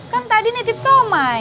kan tadi nitip somai